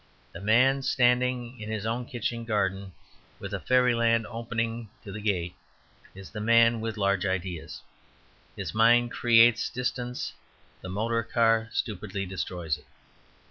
The man standing in his own kitchen garden, with fairyland opening at the gate, is the man with large ideas. His mind creates distance; the motor car stupidly destroys it.